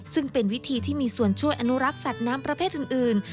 ซึ่งเป็นวิธีที่มีส่วนช่วยอนุรักษ์สัตว์น้ำประเภทอื่น